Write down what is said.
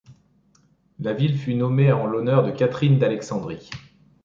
La ville fut nommée en l'honneur de Catherine d'Alexandrie.